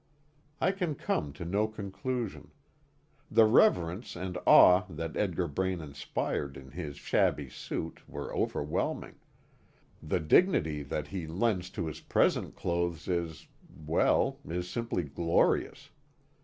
I can come to no conclusion. The reverence and awe that Edgar Braine inspired in his shabby suit were overwhelming. The dignity that he lends to his present clothes is well, is simply glorious.